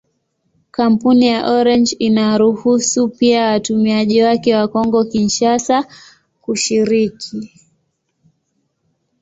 Kampuni ya Orange inaruhusu pia watumiaji wake wa Kongo-Kinshasa kushiriki.